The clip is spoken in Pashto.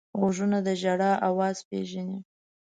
غوږونه د ژړا اواز پېژني